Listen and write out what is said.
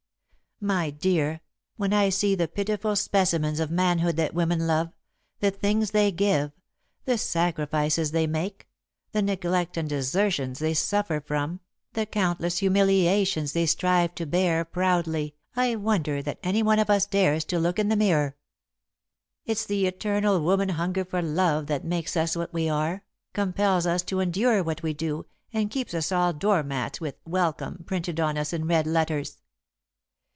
My dear, when I see the pitiful specimens of manhood that women love, the things they give, the sacrifices they make, the neglect and desertions they suffer from, the countless humiliations they strive to bear proudly, I wonder that any one of us dares to look in the mirror. "It's the eternal woman hunger for love that makes us what we are, compels us to endure what we do, and keeps us all door mats with 'Welcome' printed on us in red letters.